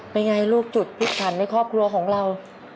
ไปไงลูกจุดพิษฐานในครอบครัวของเรา